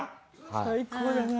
最高だな。